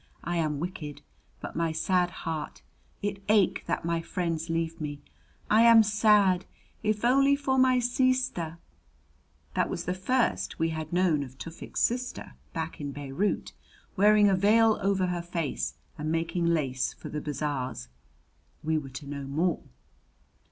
"I am wicked; but my sad heart it ache that my friends leave me. I am sad! If only my seester "That was the first we had known of Tufik's sister, back in Beirut, wearing a veil over her face and making lace for the bazaars. We were to know more.